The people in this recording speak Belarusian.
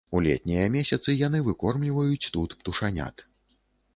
У летнія месяцы яны выкормліваюць тут птушанят.